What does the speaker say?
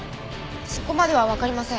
そこまではわかりません。